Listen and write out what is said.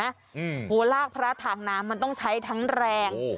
โอ้โหลากพระทางน้ำมันต้องใช้ทั้งแรง